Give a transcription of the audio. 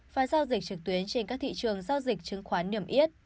và giao dịch trực tuyến trên các thị trường giao dịch chứng khoán niềm yết